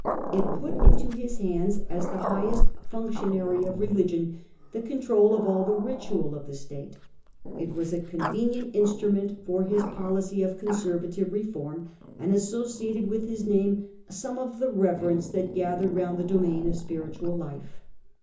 It put into his hands, as the highest functionary of religion, the control of all the ritual of the state ; it was a convenient instrument for his policy of conservative reform, and associated with his name some of the reverence that gathered round the domain of spiritual life.